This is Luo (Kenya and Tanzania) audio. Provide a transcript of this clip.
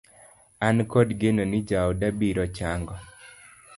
An kod geno ni jaoda biro chango